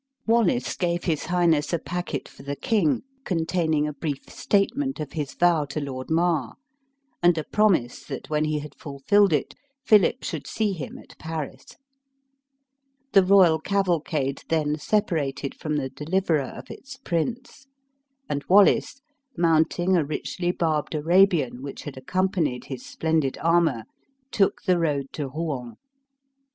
Wallace gave his highness a packet for the king, containing a brief statement of his vow to Lord Mar, and a promise, that when he had fulfilled it, Philip should see him at Paris. The royal cavalcade then separated from the deliverer of its prince; and Wallace, mounting a richly barbed Arabian, which had accompanied his splendid armor, took the road to Rouen.